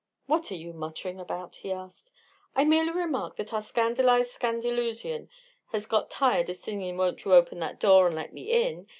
"What are you muttering about?" he asked. "I merely remarked that our scandalized Scandalusian has got tired of singin' Won't You Open that Door and Let Me In?